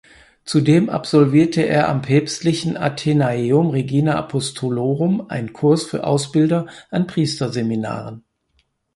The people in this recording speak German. Zudem absolvierte er am Päpstlichen Athenaeum Regina Apostolorum einen Kurs für Ausbilder an Priesterseminaren.